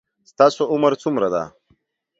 ستاسو عمر څومره ده